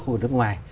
khu vực nước ngoài